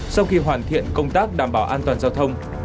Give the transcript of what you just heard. sau khi hoàn thiện công tác đảm bảo an toàn giao thông